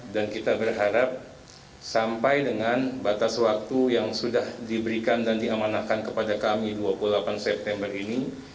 dan kita berharap sampai dengan batas waktu yang sudah diberikan dan diamanahkan kepada kami dua puluh delapan september ini